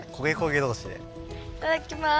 いただきまーす。